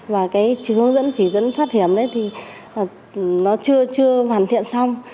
và cái chứng hướng dẫn chỉ dẫn thoát hiểm đấy thì nó chưa hoàn thiện xong